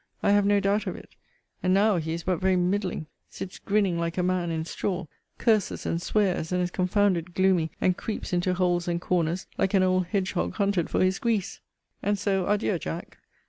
I have no doubt of it. And now he is but very middling; sits grinning like a man in straw; curses and swears, and is confounded gloomy; and creeps into holes and corners, like an old hedge hog hunted for his grease. And so, adieu, Jack.